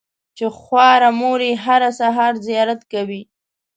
چې خواره مور یې هره سهار زیارت کوي.